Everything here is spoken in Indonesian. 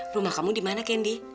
rumah kamu di mana kendi